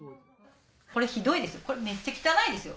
これひどいですよ。